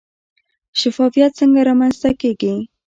شفافیت څنګه رامنځته کیږي؟